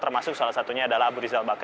termasuk salah satunya adalah abu rizal bakar